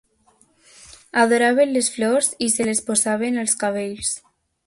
Adoraven les flors, i se les posaven als cabells.